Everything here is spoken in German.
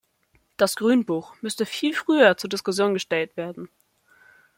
Das Grünbuch müsste viel früher zur Diskussion gestellt werden.